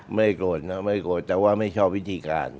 ไม่โกรธนะไม่โกรธแต่ว่าไม่ชอบวิธีการ